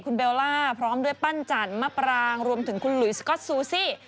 คุณเบลล่าพร้อมด้วยปั้นจันมะปรางรวมถึงคุณหลุยสก๊อตซูซี่